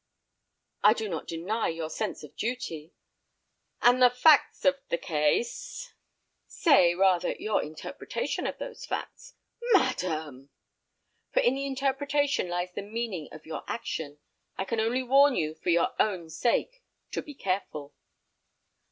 "I do not deny your sense of duty." "And the facts of the case—" "Say—rather—your interpretation of those facts." "Madam!" "For in the interpretation lies the meaning of your action. I can only warn you, for your own sake, to be careful."